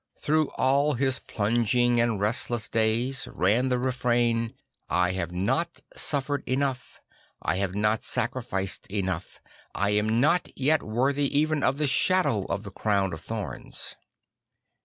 Through all his plunging and restless days ran the refrain: I have not suffered enough; I have not sacrificed enough; I am not yet worthy even of the shadow of the crown of thorns.